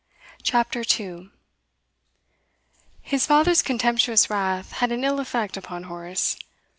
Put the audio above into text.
CHAPTER 2 His father's contemptuous wrath had an ill effect upon Horace.